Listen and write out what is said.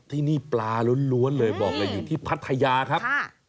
ที่นี่ปลาล้วนเลยบอกเลยอยู่ที่พัทยาครับ